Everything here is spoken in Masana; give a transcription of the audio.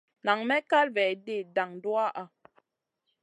Nan may kal vaidi dan duwaha.